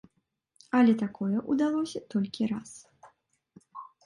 Але такое ўдалося толькі раз.